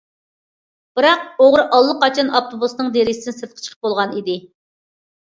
بىراق، ئوغرى ئاللىقاچان ئاپتوبۇسنىڭ دېرىزىسىدىن سىرتقا چىقىپ بولغان ئىدى.